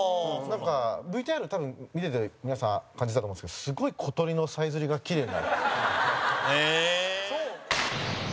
ＶＴＲ、多分、見てて皆さん、感じたと思うんですけどすごい、小鳥のさえずりがキレイな。